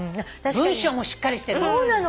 文章もしっかりしてるもん。